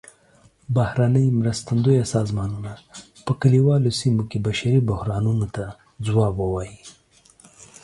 بهرنۍ مرستندویه سازمانونه په کلیوالو سیمو کې بشري بحرانونو ته ځواب ووايي.